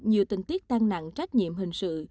nhiều tình tiết tăng nặng trách nhiệm hình sự